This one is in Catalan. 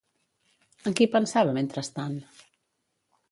En qui pensava mentrestant?